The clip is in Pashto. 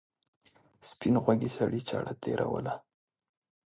سپین غوږي سړي چاړه تېروله.